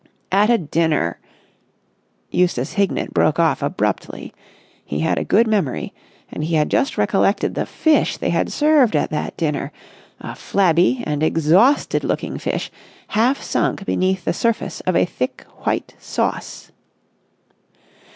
"At a dinner...." Eustace Hignett broke off abruptly. He had a good memory and he had just recollected the fish they had served at that dinner—a flabby and exhausted looking fish half sunk beneath the surface of a thick white sauce.